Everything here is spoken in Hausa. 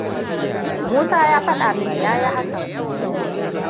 Musa ya faɗa mini ya yi hakan.